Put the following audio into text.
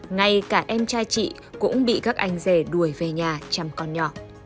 ngay cả em trai chị cũng bị các anh rể đuổi về nhà chăm con nhỏ